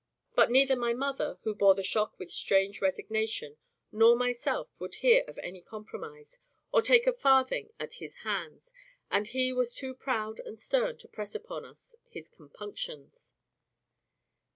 But neither my mother (who bore the shock with strange resignation) nor myself would hear of any compromise, or take a farthing at his hands, and he was too proud and stern to press upon us his compunctions.